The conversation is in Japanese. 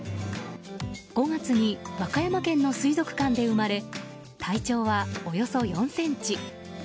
５月に和歌山県の水族館で生まれ体長はおよそ４ｃｍ。